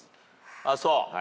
ああそう。